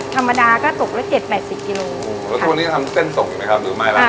ธรรมดาก็ตกละเจ็ดแปดสิบกิโลแล้วทุกวันนี้ทำเส้นตกอยู่ไหมครับหรือไม่ล่ะค่ะ